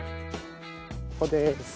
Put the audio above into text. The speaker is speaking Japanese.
ここです。